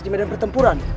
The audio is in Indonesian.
di medan pertempuran